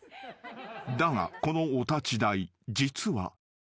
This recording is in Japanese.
［だがこのお立ち台実は］